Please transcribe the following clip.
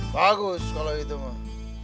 bagus kalau gitu mbah